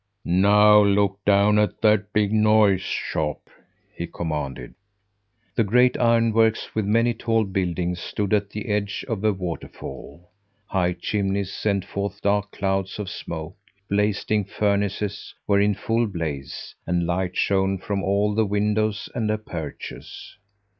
"Now look down at that big noise shop!" he commanded. The great ironworks, with many tall buildings, stood at the edge of a waterfall. High chimneys sent forth dark clouds of smoke, blasting furnaces were in full blaze, and light shone from all the windows and apertures.